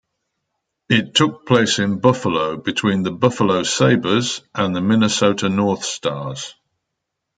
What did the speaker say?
It took place in Buffalo between the Buffalo Sabres and the Minnesota North Stars.